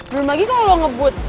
belum lagi kalau ngebut